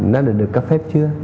nó được cấp phép chưa